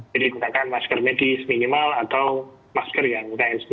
jadi gunakan masker medis minimal atau masker yang lain